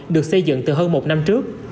được xây dựng từ hơn một năm trước